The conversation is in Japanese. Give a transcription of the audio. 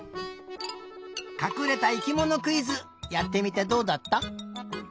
かくれた生きものクイズやってみてどうだった？